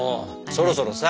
そろそろさ